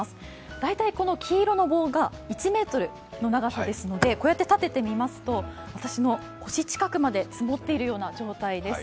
大体この黄色の棒が１ｍの長さですので、こうやって立ててみますと私の腰近くまで積もっている状態です